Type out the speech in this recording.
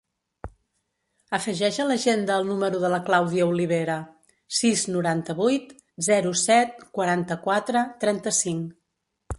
Afegeix a l'agenda el número de la Clàudia Olivera: sis, noranta-vuit, zero, set, quaranta-quatre, trenta-cinc.